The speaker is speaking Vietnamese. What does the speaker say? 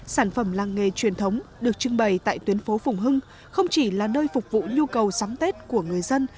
sản phẩm làng nghề truyền thống được trưng bày tại tuyến phố phùng hưng không chỉ là nơi phục vụ nhu cầu sắm tết của người dân